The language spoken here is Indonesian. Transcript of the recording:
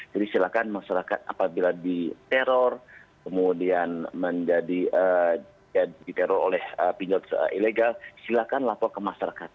jadi silakan masyarakat apabila diteror kemudian diteror oleh pinjol ilegal silakan lapor ke masyarakat